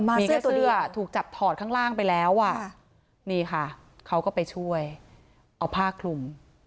มีเสื้อตัวเลือดถูกจับถอดข้างล่างไปแล้วอ่ะนี่ค่ะเขาก็ไปช่วยเอาผ้าคลุม